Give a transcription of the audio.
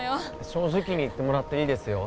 正直に言ってもらっていいですよ